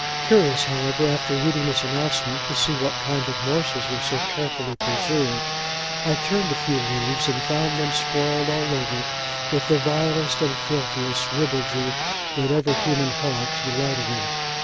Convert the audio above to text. Curious, however, after reading this announcement, to see what kind of morsels were so carefully preserved, I turned a few leaves, and found them scrawled all over with the vilest and the filthiest ribaldry that ever human hogs delighted in.